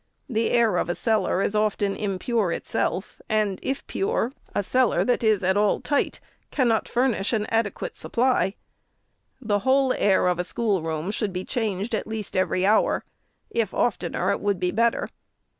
The air of a cellar is often impure itself, and, if pure, a cellar that is at all tight cannot furnish an adequate supply. The whole air of a schoolroom should be changed at least every hour : if oftener, it would be better.